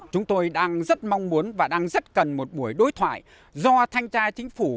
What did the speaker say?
chúng tôi đang rất mong muốn và đang rất cần một buổi đối thoại do thanh trai chính phủ